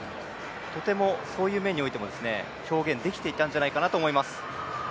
とてもそういう面においても表現できてたんじゃないかなと思います。